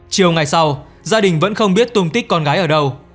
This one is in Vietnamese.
chiều ngày sau gia đình vẫn không biết tung tích con gái ở đâu